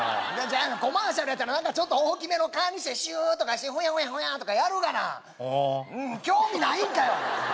ああコマーシャルやったらちょっと大きめの蚊にしてシューとかしてホヤホヤホヤとかやるがなほお興味ないんかよ！